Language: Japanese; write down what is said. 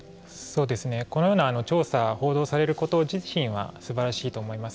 このような調査報道されること自身はすばらしいと思います。